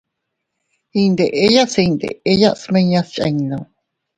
Iyndeya se iydenya smiñas chiinnu.